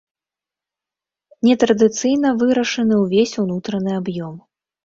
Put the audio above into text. Нетрадыцыйна вырашаны ўвесь унутраны аб'ём.